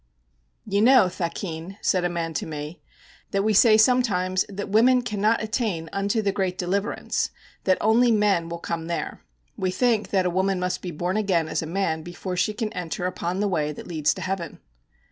_ 'You know, thakin,' said a man to me, 'that we say sometimes that women cannot attain unto the great deliverance, that only men will come there. We think that a woman must be born again as a man before she can enter upon the way that leads to heaven.'